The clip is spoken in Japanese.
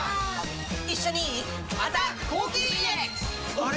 あれ？